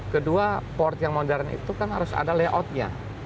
kedua port yang modern itu kan harus ada layoutnya